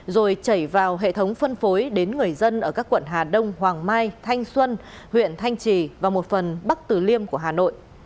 rồi chảy vào hệ thống phân phối đến người dân ở các quận hà đông hoàng mai thanh xuân huyện thanh trì và một phần bắc từ liêm của hà nội